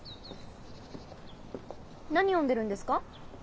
何読んでるんですか？